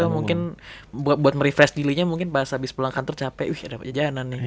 mungkin buat merefresh dirinya mungkin pas abis pulang kantor capek wih ada jajanan nih